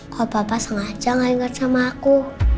kalau papa sengaja gak inget sama aku